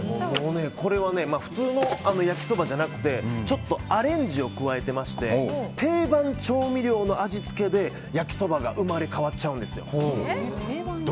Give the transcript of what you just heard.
これは普通の焼きそばじゃなくてちょっとアレンジを加えてまして定番調味料の味付けで焼きそばが生まれ変わっちゃうんですよ。